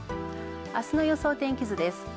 明日の予想天気図です。